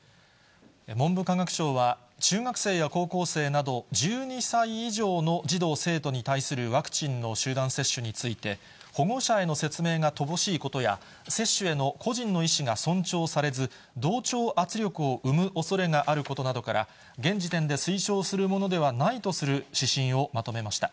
文部科学省は、中学生や高校生など、１２歳以上の児童・生徒に対するワクチンの集団接種について、保護者への説明が乏しいことや、接種への個人の意思が尊重されず、同調圧力を生むおそれがあることなどから、現時点で推奨するものではないとする指針をまとめました。